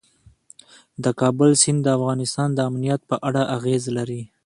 د کابل سیند د افغانستان د امنیت په اړه اغېز لري.